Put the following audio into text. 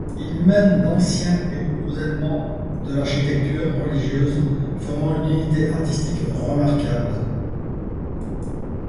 Il mêle anciens et nouveaux éléments de l'architecture religieuse formant une unité artistique remarquable.